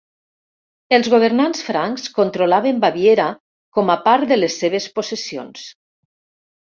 Els governants francs controlaven Baviera com a part de les seves possessions.